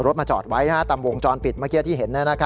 เสียบทีเห็น